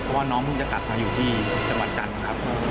เพราะว่าน้องเพิ่งจะกลับมาอยู่ที่จังหวัดจันทร์นะครับ